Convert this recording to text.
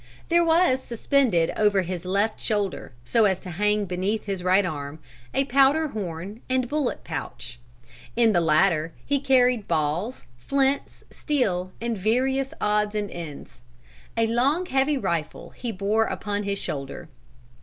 There was suspended over his left shoulder, so as to hang beneath his right arm, a powder horn and bullet pouch. In the latter he carried balls, flints, steel, and various odds and ends. A long heavy rifle he bore upon his shoulder.